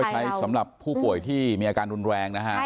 ใช่ค่ะ